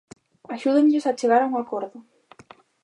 Axúdenlles a chegar a un acordo.